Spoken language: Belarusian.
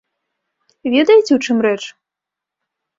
Ведаеце, у чым рэч?